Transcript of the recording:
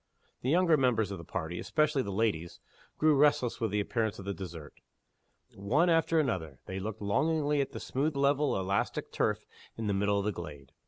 The younger members of the party especially the ladies grew restless with the appearance of the dessert. One after another they looked longingly at the smooth level of elastic turf in the middle of the glade.